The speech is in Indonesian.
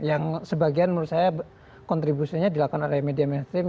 yang sebagian menurut saya kontribusinya dilakukan oleh media mainstream